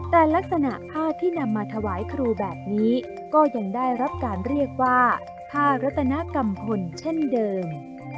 แต่ลักษณะผ้าที่นำมาถวายครูแบบนี้ก็ยังได้รับการเรียกว่าผ้ารัตนกรรมพลเช่นเดิม